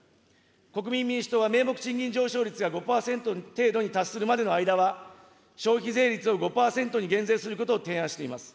国民民主党は名目賃金上昇率が５％程度に達するまでの間は、消費税率を５％に減税することを提案しています。